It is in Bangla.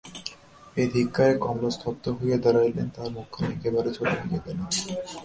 এই ধিক্কারে কমলা স্তব্ধ হইয়া দাঁড়াইল, তাহার মুখখানি একেবারে ছোটো হইয়া গেল।